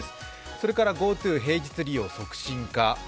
それからＧｏＴｏ平日利用促進か。